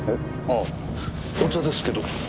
あお茶ですけど。